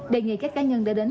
đề nghị các cá nhân để đến